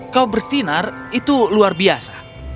kau bersinar itu luar biasa